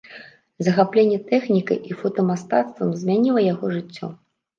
Захапленне тэхнікай і фотамастацтвам змяніла яго жыццё.